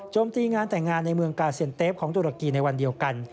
โจมติงานแต่งงานในเมืองกาศิลป์เตปท์ของตุรกีในวันเดียวกัน